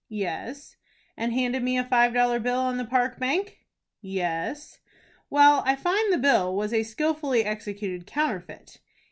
"Yes." "And handed me a five dollar bill on the Park Bank?" "Yes." "Well, I find the bill was a skilfully executed counterfeit."